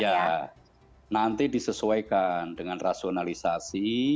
ya nanti disesuaikan dengan rasionalisasi